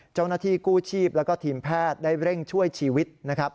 เจ้าหน้าที่กู้ชีพแล้วก็ทีมแพทย์ได้เร่งช่วยชีวิตนะครับ